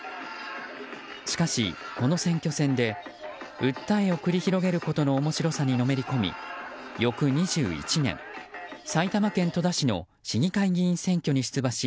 しかし、この選挙戦で訴えを繰り広げることの面白さにのめり込み、翌２１年埼玉県戸田市の市議会議員選挙に出馬し